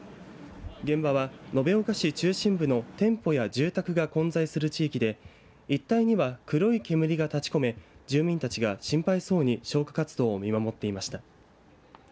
現場は延岡市中心部の店舗や住宅が混在する地域で一帯には黒い煙が立ちこめ住民たちが心配そうに消火活動を見守っていました。